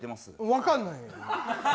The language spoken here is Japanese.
分かんない。